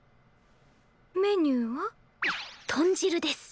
メニューは？豚汁です。